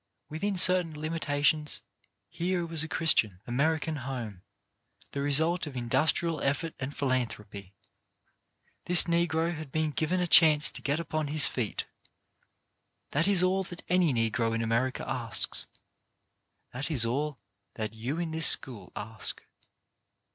Within certain limitations here was a Christian, American home, the result of industrial effort and philan thropy. This Negro had been given a chance to get upon his feet. That is all that any Negro in America asks. That is all that you in this school ask.